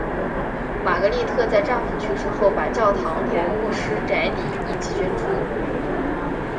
玛格丽特在丈夫去世后把教堂同牧师宅邸一起捐出。